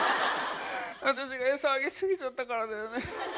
私が餌あげすぎちゃったからだよね。